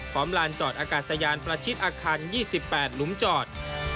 ลานจอดอากาศยานประชิดอาคาร๒๘หลุมจอด